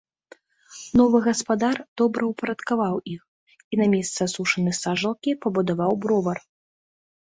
Новы гаспадар добраўпарадкаваў іх і на месцы асушанай сажалкі пабудаваў бровар.